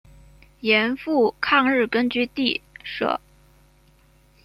盐阜抗日根据地设。